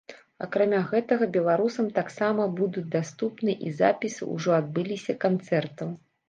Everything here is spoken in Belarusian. Акрамя гэтага беларусам таксама будуць даступныя і запісы ўжо адбыліся канцэртаў.